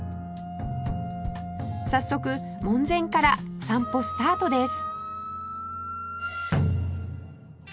早速門前から散歩スタートです